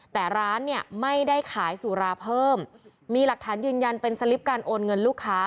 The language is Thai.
แต่ร้านเนี่ยไม่ได้ขายสุราเพิ่มมีหลักฐานยืนยันเป็นสลิปการโอนเงินลูกค้า